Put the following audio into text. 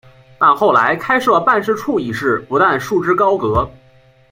但后来开设办事处一事不但束之高阁。